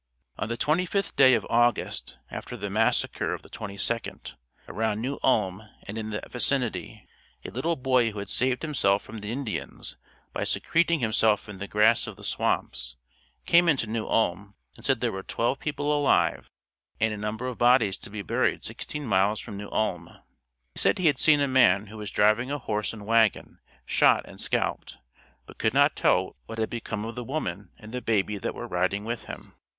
On the 25th day of August after the massacre of the 22nd, around New Ulm and in that vicinity, a little boy who had saved himself from the Indians by secreting himself in the grass of the swamps, came into New Ulm and said there were twelve people alive and a number of bodies to be buried sixteen miles from New Ulm. He said he had seen a man who was driving a horse and wagon, shot and scalped, but could not tell what had become of the woman and baby that were riding with him.